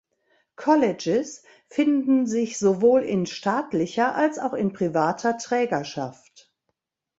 Colleges finden sich sowohl in staatlicher als auch in privater Trägerschaft.